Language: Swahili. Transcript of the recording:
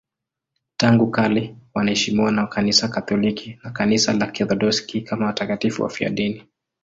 Tangu kale wanaheshimiwa na Kanisa Katoliki na Kanisa la Kiorthodoksi kama watakatifu wafiadini.